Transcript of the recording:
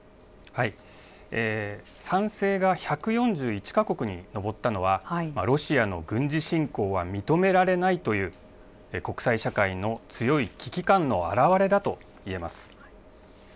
賛成が１４１か国に上ったのは、ロシアの軍事侵攻は認められないという、国際社会の強い危機感の表れだといえます。